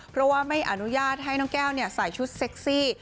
เพราะว่าไม่อนุญาตให้น้องแก้วใส่ชุดเซ็กซี่